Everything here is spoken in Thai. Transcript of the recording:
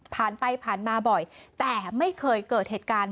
ผ่านไปผ่านมาบ่อยแต่ไม่เคยเกิดเหตุการณ์